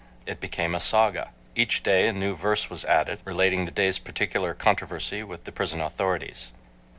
It became a saga. Each day a new verse was added, relating the day's particular controversy with the prison authorities.